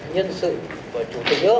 nhân sự của chủ tịch nước